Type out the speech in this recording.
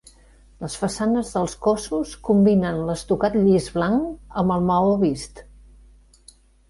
Les façanes dels cossos combinen l'estucat llis blanc amb el maó vist.